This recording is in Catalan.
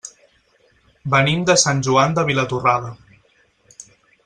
Venim de Sant Joan de Vilatorrada.